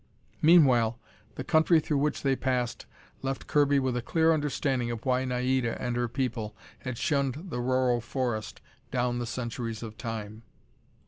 Meanwhile, the country through which they passed left Kirby with a clear understanding of why Naida and her people had shunned the Rorroh forest down the centuries of time.